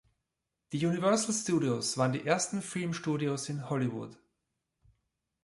Die Universal Studios waren die ersten Filmstudios in Hollywood.